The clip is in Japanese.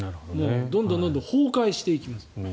どんどん崩壊していきます。